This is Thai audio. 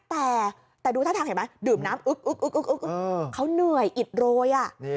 แต่ดูท่าทางเห็นไหมดื่มน้ำอึ๊กเขาเหนื่อยอิดโรย